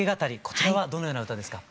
こちらはどのような歌ですか？